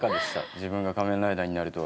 自分が仮面ライダーになるとは。